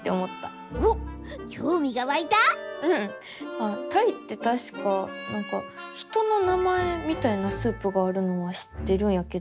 あタイってたしかなんか人の名前みたいなスープがあるのは知ってるんやけど。